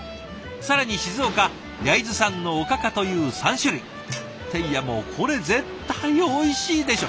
更に静岡・焼津産のおかかという３種類。っていやもうこれ絶対おいしいでしょ！